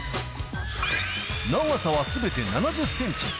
長さはすべて７０センチ。